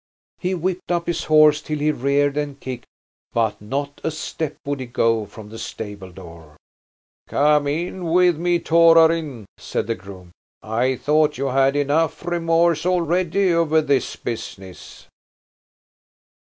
He whipped up his horse till he reared and kicked, but not a step would he go from the stable door. "Come in with me, Torarin!" said the groom. "I thought you had enough remorse already over this business."